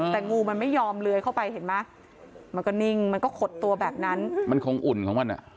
แต่งูมันไม่ยอมเลื้อยเข้าไปเห็นไหมมันก็นิ่งมันก็ขดตัวแบบนั้นมันคงอุ่นของมันอ่ะ